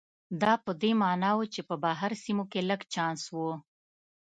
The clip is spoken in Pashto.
دا په دې معنا و چې په بهر سیمو کې لږ چانس و.